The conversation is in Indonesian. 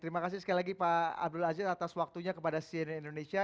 terima kasih sekali lagi pak abdul aziz atas waktunya kepada cnn indonesia